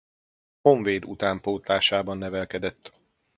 Honvéd utánpótlásában nevelkedett.